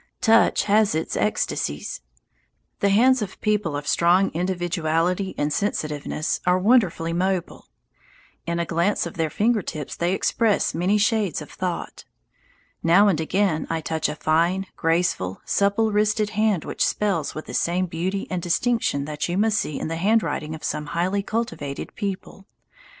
Touch has its ecstasies. The hands of people of strong individuality and sensitiveness are wonderfully mobile. In a glance of their finger tips they express many shades of thought. Now and again I touch a fine, graceful, supple wristed hand which spells with the same beauty and distinction that you must see in the handwriting of some highly cultivated people.